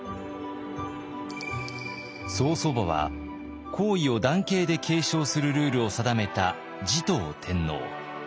曽祖母は皇位を男系で継承するルールを定めた持統天皇。